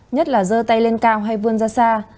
nhất là dơ tay lên cao hay vươn ra xa